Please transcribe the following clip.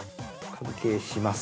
◆関係します。